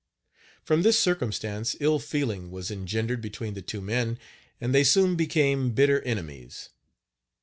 From this circumstance ill feeling was engendered between the two men, and they soon became bitter enemies.